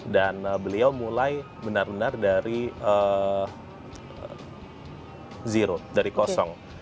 dan beliau mulai benar benar dari zero dari kosong